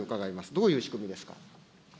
どういう仕組みですか。